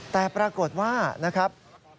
แต่ปรากฏว่านะครับ